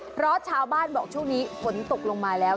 เพราะชาวบ้านบอกช่วงนี้ฝนตกลงมาแล้ว